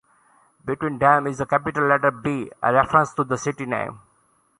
Between them is the capital letter B, a reference to the city name.